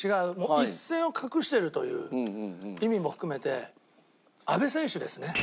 一線を画しているという意味も含めて阿部選手ですね。